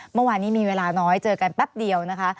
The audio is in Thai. เมื่อวานนี้มีเวลาน้อยเจอกันแป๊บเดียวนะคะ